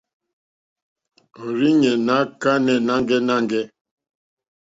Òrzìɲɛ́ ná kánɛ̀ nâŋɡɛ́nâŋɡɛ̂.